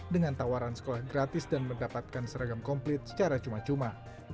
dengan tawaran sekolah gratis dan mendapatkan seragam komplit secara cuma cuma